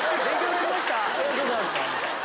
ありがとうございます。